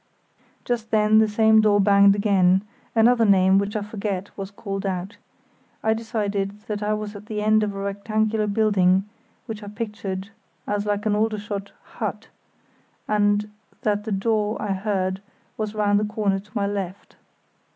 Just then the same door banged again; another name, which I forget, was called out. I decided that I was at the end of a rectangular building which I pictured as like an Aldershot "hut", and that the door I heard was round the corner to my left.